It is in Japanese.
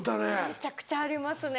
むちゃくちゃありますね